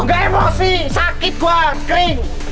gak emosi sakit gue kering